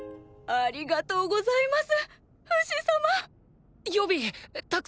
ありがとうございます！